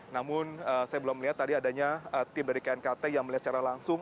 namun saya belum melihat tadi adanya tim dari knkt yang melihat secara langsung